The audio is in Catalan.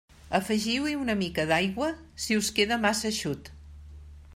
Afegiu-hi una mica d'aigua si us queda massa eixut.